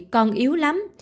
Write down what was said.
con yếu lắm